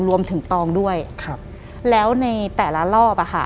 รวมถึงตองด้วยแล้วในแต่ละรอบอะค่ะ